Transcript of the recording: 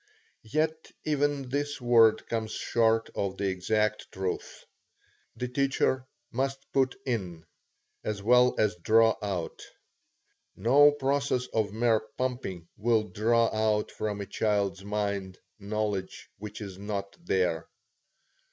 Yet even this word comes short of the exact truth. The teacher must put in, as well as draw out. No process of mere pumping will draw out from a child's mind knowledge which is not there.